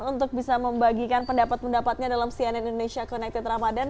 untuk bisa membagikan pendapat pendapatnya dalam cnn indonesia connected ramadhan